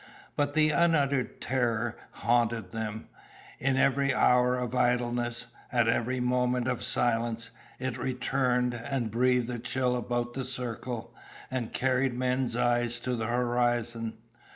But the unuttered terror haunted them; in every hour of idleness, at every moment of silence, it returned, and breathed a chill about the circle, and carried men's eyes to the horizon.